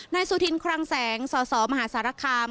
สุธินคลังแสงสสมหาสารคาม